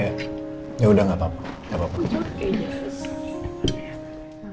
ya ya ya udah nggak apa apa nggak apa apa